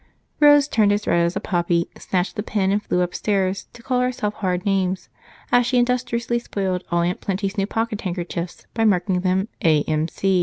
Rose turned as red as a poppy, snatched the pen, and flew upstairs, to call herself hard names as she industriously spoiled all Aunt Plenty's new pocket handkerchiefs by marking them "A.M.